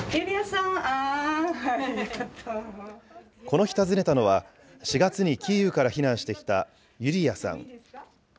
この日、訪ねたのは４月にキーウから避難してきたユリヤさん。